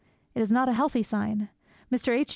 It is not a healthy sign. Mr. H.